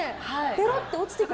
ぺろって落ちてくる。